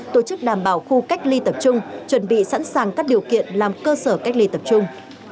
tổ chức đảm bảo khu cách ly tập trung chuẩn bị sẵn sàng các điều kiện làm cơ sở cách ly tập trung